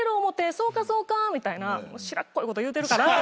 そうかそうか」みたいなしらっこいこと言うてるから戻って！